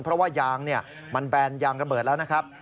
เพราะว่ายางมันแบนยางระเบิดแล้วนะครับ